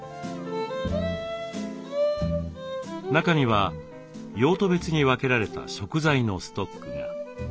中には用途別に分けられた食材のストックが。